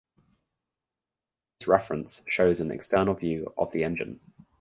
This reference shows an external view of the engine.